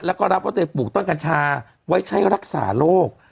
แล้วก็รับว่าตัวเองปลูกต้นกัญชาไว้ใช้รักษาโรค